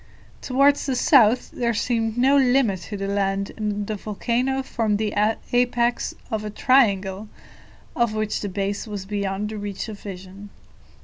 Towards the south there seemed no limit to the land, and the volcano formed the apex of a triangle, of which the base was beyond the reach of vision.